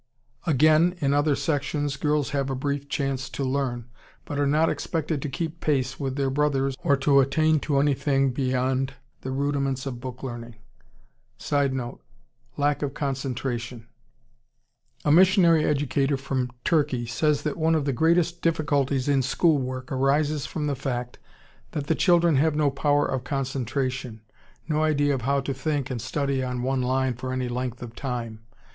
Again in other sections girls have a brief chance to learn, but are not expected to keep pace with their brothers or to attain to anything beyond the rudiments of book learning. [Sidenote: Lack of concentration.] A missionary educator from Turkey says that one of the greatest difficulties in school work arises from the fact that the children have no power of concentration, no idea of how to think and study on one line for any length of time.